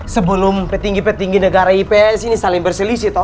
sebelum petinggi petinggi negara ips ini saling berselisih